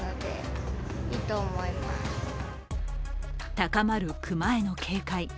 高まる熊への警戒。